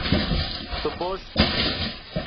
Tu baş bûyî